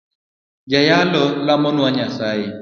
Jayalo lemonwa nyasaye.